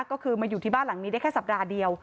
ก็คือมาอยู่ที่บ้านหลังนี้ได้แค่สัปดาห์เดียว